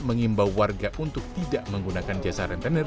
mengimbau warga untuk tidak menggunakan jasa rentenir